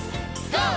ＧＯ！